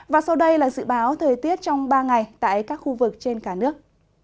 và sau đây là dự báo thời tiết trong ba ngày tại các khu vực trên cả nước